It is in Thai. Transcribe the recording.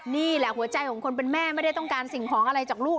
นี่แหละหัวใจของคนเป็นแม่ไม่ได้ต้องการสิ่งของอะไรจากลูก